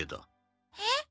えっ？